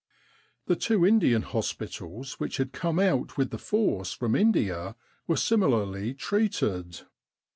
The two Indian hospitals which had come out with the force from India, were similarly treated.